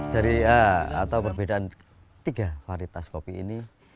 dari atau perbedaan tiga varitas kopi ini